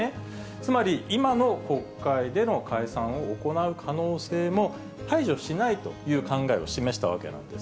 つまり、今の国会での解散を行う可能性も排除しないという考えを示したわけなんです。